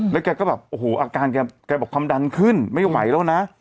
แล้วแกก็บอกอาการคำดันขึ้นไม่ไหวแล้วนะ